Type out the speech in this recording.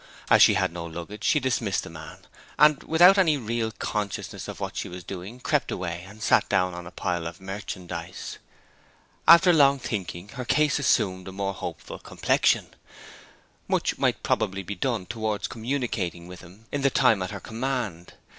As she had no luggage she dismissed the man, and, without any real consciousness of what she was doing, crept away and sat down on a pile of merchandise. After long thinking her case assumed a more hopeful complexion. Much might probably be done towards communicating with him in the time at her command.